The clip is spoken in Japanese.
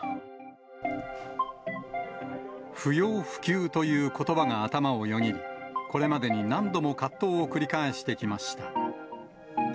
不要不急ということばが頭をよぎり、これまでに何度も葛藤を繰り返してきました。